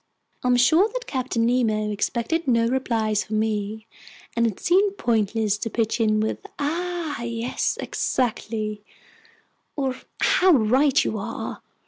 I'm sure that Captain Nemo expected no replies from me, and it seemed pointless to pitch in with "Ah yes," "Exactly," or "How right you are!"